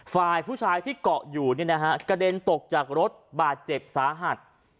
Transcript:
ฝ่ายผู้ชายที่เกาะอยู่กระเด็นตกจากรถบาดเจ็บสาหัส